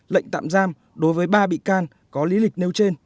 lệnh tạm giam đối với ba bị can có lý lịch nêu trên